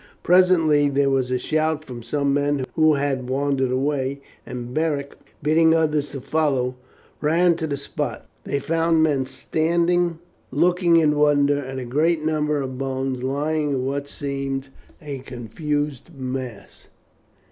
Presently there was a shout from some men who had wandered away, and Beric, bidding others follow, ran to the spot. They found men standing looking in wonder at a great number of bones lying in what seemed a confused mass.